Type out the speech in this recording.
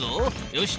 よし。